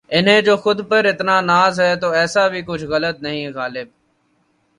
انہیں جو خود پر اتنا ناز ہے تو ایسا کچھ غلط بھی نہیں غالب